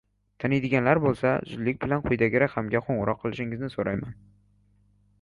Taniydiganlar boʻlsa, zudlik bilan quyidagi raqamga qoʻngʻiroq qilishingizni soʻrayman.